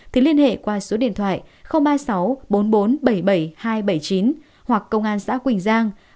thì liên hệ qua số điện thoại ba mươi sáu bốn triệu bốn trăm bảy mươi bảy nghìn hai trăm bảy mươi chín hoặc công an xã quỳnh giang tám trăm sáu mươi sáu sáu nghìn bảy trăm sáu mươi sáu